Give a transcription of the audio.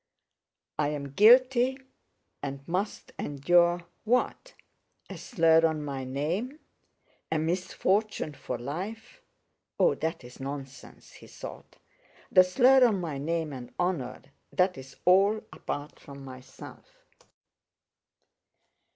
I am guilty and must endure... what? A slur on my name? A misfortune for life? Oh, that's nonsense," he thought. "The slur on my name and honor—that's all apart from myself."